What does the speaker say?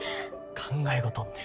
考え事って。